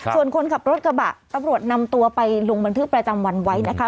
ส่วนคนขับรถกระบะตำรวจนำตัวไปลงบันทึกประจำวันไว้นะคะ